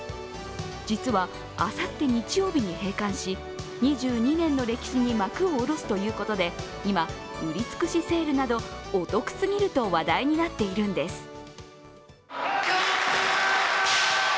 実はあさって日曜日に閉館し、２２年の歴史に幕を下ろすということで、今、売り尽くしセールなど、お得すぎると話題になっているんです。